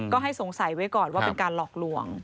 ก็ให้สงสัยไว้ก่อนว่าเป็นการหลอกลวง